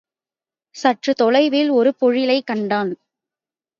சற்றுத் தொலைவில் ஒரு பொழிலைக் கண்டான்.